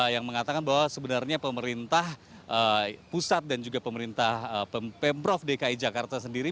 yang mengatakan bahwa sebenarnya pemerintah pusat dan juga pemerintah pemprov dki jakarta sendiri